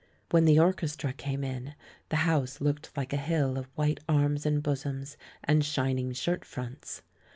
When the orchestra came m, the house looked like a hill of white arms and bosoms, and shining shirt fronts.